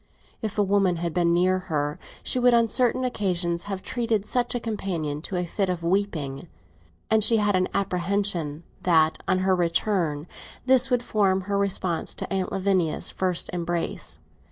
If a woman had been near her she would on certain occasions have treated such a companion to a fit of weeping; and she had an apprehension that, on her return, this would form her response to Aunt Lavinia's first embrace.